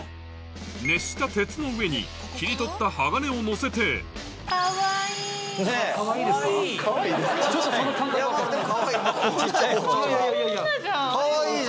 熱した鉄の上に切り取った鋼をのせてでもかわいい。